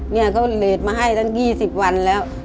เนี่ยเขาเลสมาให้ตั้ง๒๐วันแล้ว